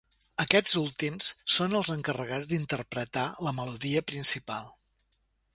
Aquests últims són els encarregats d'interpretar la melodia principal.